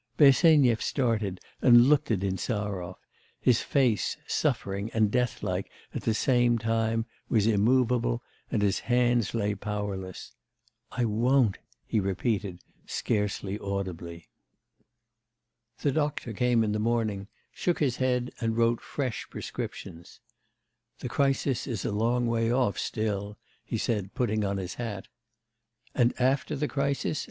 Bersenyev started and looked at Insarov; his face, suffering and death like at the same time, was immovable, and his hands lay powerless. 'I won't,' he repeated, scarcely audibly. The doctor came in the morning, shook his head and wrote fresh prescriptions. 'The crisis is a long way off still,' he said, putting on his hat. 'And after the crisis?